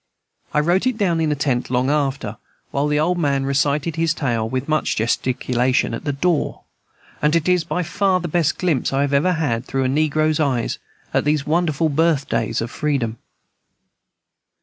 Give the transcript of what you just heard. I wrote it down in tent, long after, while the old man recited the tale, with much gesticulation, at the door; and it is by far the best glimpse I have ever had, through a negro's eyes, at these wonderful birthdays of freedom.